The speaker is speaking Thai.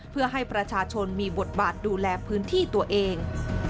เพื่อให้ประชาชนมีบทบาทดูแลพื้นที่ตัวเอง